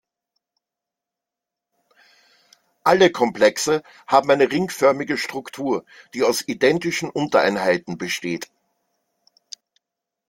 Alle Komplexe haben eine ringförmige Struktur, die aus identischen Untereinheiten besteht.